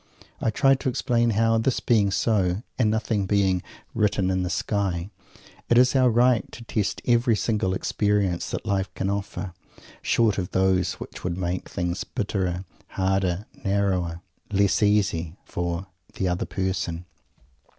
I try to explain how, this being so, and nothing being "written in the sky" it is our right to test every single experience that life can offer, short of those which would make things bitterer, harder, narrower, less easy, for "the other person."